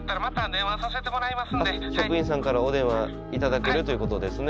あ職員さんからお電話頂けるということですね。